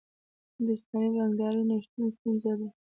د اسلامي بانکدارۍ نشتون ستونزه ده.